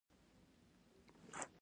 د ګرافیک ډیزاین بازار شته